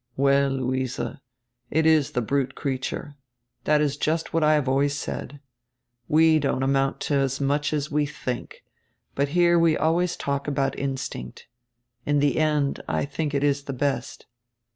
"Well, Luise, it is the brute creature. That is just what I have always said. We don't amount to as much as we think. But here we always talk about instinct. In tire end I think it is the best."